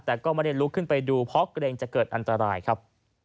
แต่ก็ไม่ได้ลุกขึ้นไปดูเพราะเกรงจะเกิดอันตรายครับ